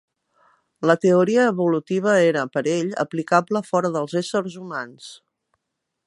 La teoria evolutiva era, per ell, aplicable fora dels d'éssers humans.